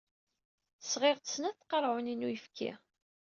Sɣiɣ-d snat tqerɛunin n uyefki.